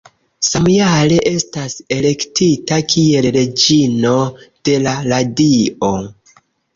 Samjare estas elektita kiel Reĝino de la Radio.